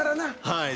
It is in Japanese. はい。